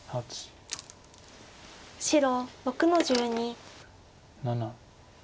白６の十二。